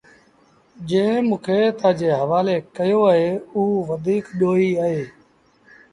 جنٚهنٚ موٚنٚ کي تآجي هوآلي ڪيو اهي اوٚ وڌيٚڪ ڏوهيٚ اهي۔